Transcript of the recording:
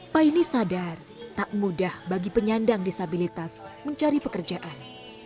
paine sadar tak mudah bagi penyandang disabilitas mencari pekerjaan